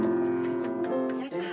やったあ！